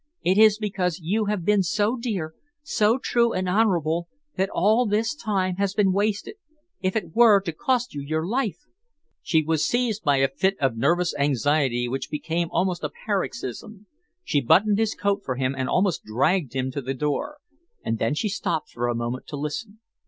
It is because you have been so dear, so true and honourable, that all this time has been wasted. If it were to cost you your life!" She was seized by a fit of nervous anxiety which became almost a paroxysm. She buttoned his coat for him and almost dragged him to the door. And then she stopped for a moment to listen.